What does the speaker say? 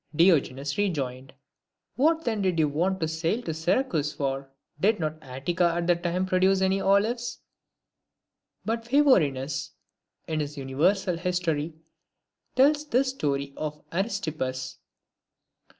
Diogenes rejoined, " What then did you want to sail to Syracuse for ? Did not Attica at that time produce any olives ?" But Phavorinus, in his Universal History, tells this story of Aristippus.